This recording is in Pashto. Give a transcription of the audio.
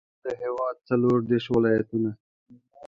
د هېواد څلوردېرش ولایتونه.